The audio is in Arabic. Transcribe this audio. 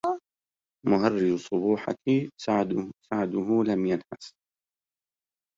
مهرج صبوحك سعده لم ينحس